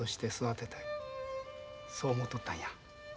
そう思うとったんや。